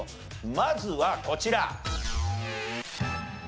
まずはこちら。